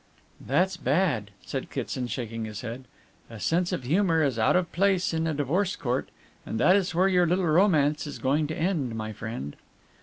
"That's bad," said Kitson, shaking his head. "A sense of humour is out of place in a divorce court, and that is where your little romance is going to end, my friend."